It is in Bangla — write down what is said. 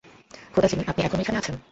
খোদা, জিনি, আপনি এখনো এখানে আছেন?